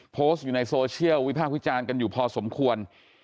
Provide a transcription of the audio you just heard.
โพสต์อยู่ในโซเชียลวิพากษ์วิจารณ์กันอยู่พอสมควร